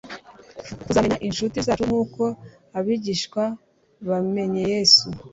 fuzamenya inshuti zacu nk'uko abigishwa bamenye Yesu.